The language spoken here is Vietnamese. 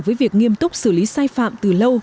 với việc nghiêm túc xử lý sai phạm từ lâu